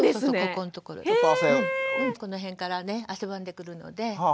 この辺からね汗ばんでくるので。